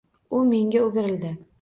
U menga o'girildi: